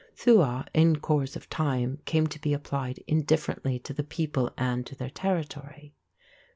Tuath in course of time came to be applied indifferently to the people and to their territory.